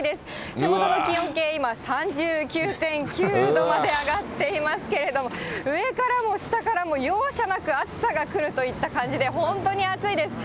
手元の気温計、今、３９．９度まで上がっていますけれども、上からも下からも容赦なく暑さがくるといった感じで、本当に暑いです。